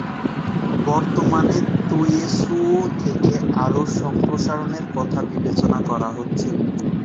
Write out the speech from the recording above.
বর্তমানে তোয়োসু থেকে আরও সম্প্রসারণের কথা বিবেচনা করা হচ্ছে।